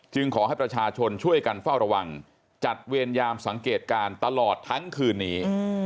ขอให้ประชาชนช่วยกันเฝ้าระวังจัดเวรยามสังเกตการณ์ตลอดทั้งคืนนี้